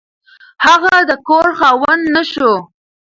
هغه د کور خاوند نه شو.